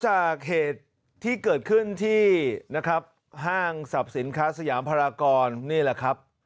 จากเหตุที่เกิดขึ้นที่นะครับห้างสรรพสินค้าสยามพรากรนี่แหละครับ